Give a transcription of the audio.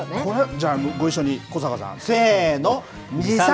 じゃあ、ご一緒に、小坂さん、せーの。